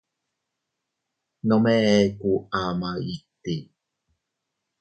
Nome eku ama iti.